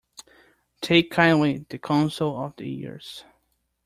Take kindly the counsel of the years